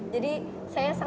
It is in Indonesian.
jadi saya sangat berharap